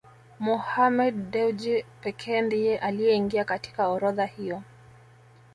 Mohammed Dewji pekee ndiye aliyeingia katika orodha hiyo